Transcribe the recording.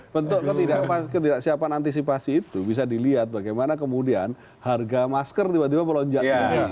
bentuk ketidaksiapan antisipasi itu bisa dilihat bagaimana kemudian harga masker tiba tiba melonjak naik